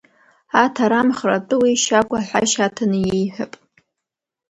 Аҭара-амхра атәы уи Шьагә аҳәашьа аҭаны иеиҳәап.